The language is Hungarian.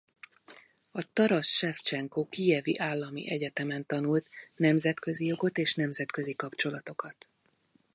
A Tarasz Sevcsenko Kijevi Állami Egyetemen tanult nemzetközi jogot és nemzetközi kapcsolatokat.